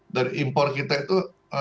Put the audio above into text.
dari impor kita itu